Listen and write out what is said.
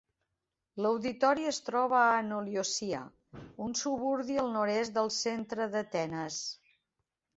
L'auditori es troba a Ano Liosia, un suburbi al nord-oest del centre d'Atenes.